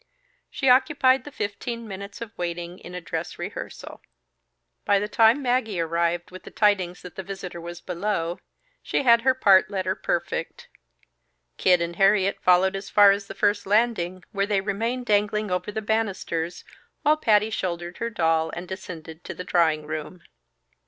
She occupied the fifteen minutes of waiting in a dress rehearsal. By the time Maggie arrived with the tidings that the visitor was below, she had her part letter perfect. Kid and Harriet followed as far as the first landing, where they remained dangling over the banisters, while Patty shouldered her doll and descended to the drawing room.